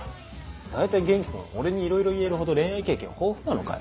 大体元気君俺にいろいろ言えるほど恋愛経験豊富なのかよ？